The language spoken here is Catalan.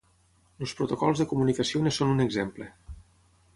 Els protocols de comunicació en són un exemple.